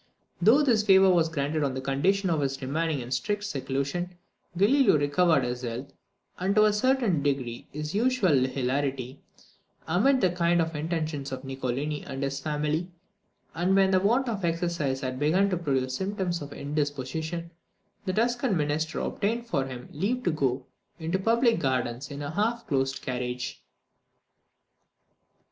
Though this favour was granted on the condition of his remaining in strict seclusion, Galileo recovered his health, and to a certain degree his usual hilarity, amid the kind attentions of Niccolini and his family; and when the want of exercise had begun to produce symptoms of indisposition, the Tuscan minister obtained for him leave to go into the public gardens in a half closed carriage.